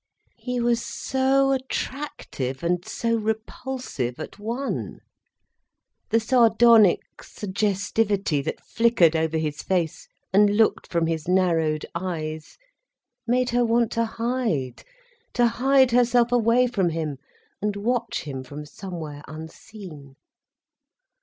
He was so attractive, and so repulsive at one. The sardonic suggestivity that flickered over his face and looked from his narrowed eyes, made her want to hide, to hide herself away from him and watch him from somewhere unseen.